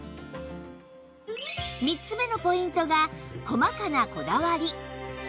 ３つ目のポイントが細かなこだわり